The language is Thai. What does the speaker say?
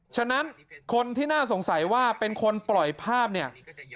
ฉะนั้นคนที่น่าสงสัยว่าเป็นคนปล่อยภาพเนี่ย